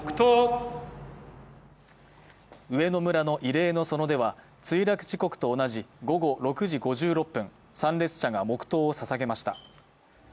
上野村の慰霊の園では墜落時刻と同じ午後６時５６分、参列者が黙とうをささげました。